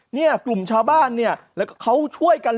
เนี่ยกลุ่มชาวบ้านเนี่ยแล้วก็เขาช่วยกัน